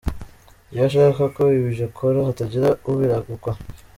Iyo ashaka ko ibyo akora hatagira ubirabukwa.